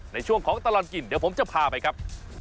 ในช่วงของตลอดกินเดี๋ยวผมจะพาไปครับ